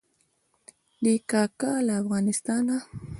دی کاکا له افغانستانه.